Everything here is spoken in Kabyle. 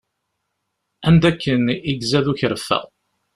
Anda akken i izad ukerfa.